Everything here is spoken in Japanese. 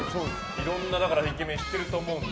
いろんなイケメン知ってると思うので。